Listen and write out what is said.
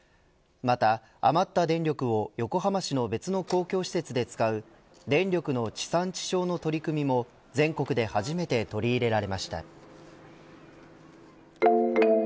また余った電力を横浜市の別の公共施設で使う電力の地産地消の取り組みも全国で初めて取り入れられました。